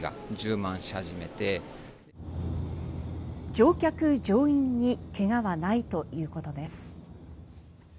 乗客・乗員に怪我はないということです。